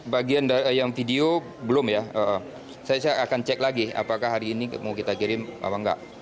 bagian yang video belum ya saya akan cek lagi apakah hari ini mau kita kirim apa enggak